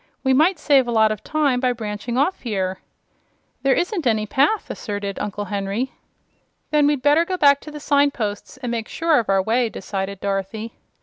"We might save a lot of time by branching off here." "There isn't any path," asserted Uncle Henry. "Then we'd better go back to the signposts, and make sure of our way," decided Dorothy.